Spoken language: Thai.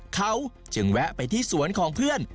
เขาจึงแวะไปที่สวนของเพื่อน